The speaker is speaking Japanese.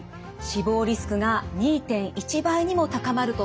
死亡リスクが２．１倍にも高まるとされています。